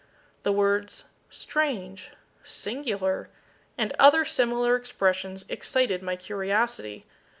The words "Strange!" "Singular!" and other similar expressions, excited my curiosity.